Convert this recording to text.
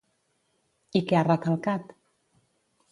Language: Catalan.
I què ha recalcat?